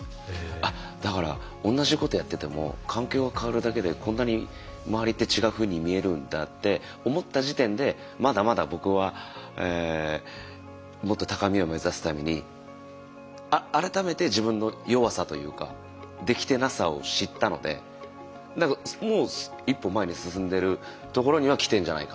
あっだから同じことやってても環境が変わるだけでこんなに周りって違うふうに見えるんだって思った時点でまだまだ僕はもっと高みを目指すために改めて自分の弱さというかできてなさを知ったので何かもう一歩前に進んでるところには来てんじゃないかなっていう。